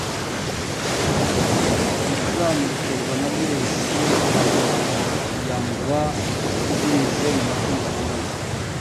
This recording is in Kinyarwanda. Ibicurane biterwa na virusi, abantu bakunze kubyandura binyuze mu matungo boroye,